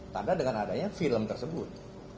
tanda dengan adanya film tersebut